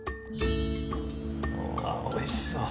あっおいしそう！